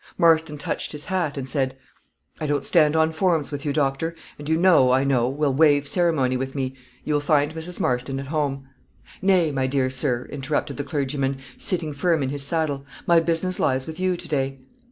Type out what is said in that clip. Marston touched his hat, and said "I don't stand on forms with you, doctor, and you, I know, will waive ceremony with me. You will find Mrs. Marston at home." "Nay, my dear sir," interrupted the clergyman, sitting firm in his saddle, "my business lies with you today."